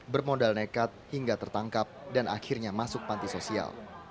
bermodal nekat hingga tertangkap dan akhirnya masuk panti sosial